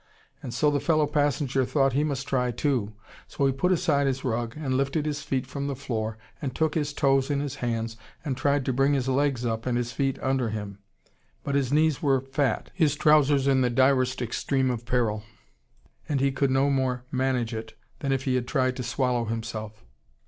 And so the fellow passenger thought he must try too. So he put aside his rug, and lifted his feet from the floor, and took his toes in his hands, and tried to bring his legs up and his feet under him. But his knees were fat, his trousers in the direst extreme of peril, and he could no more manage it than if he had tried to swallow himself.